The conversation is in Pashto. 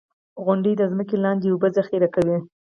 • غونډۍ د ځمکې لاندې اوبه ذخېره کوي.